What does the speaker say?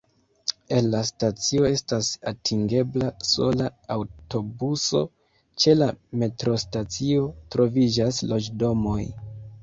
El la stacio estas atingebla sola aŭtobuso, ĉe la metrostacio troviĝas loĝdomoj.